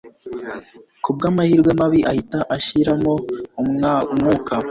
kubwamahirwe mabi ahita ashiramo umwuka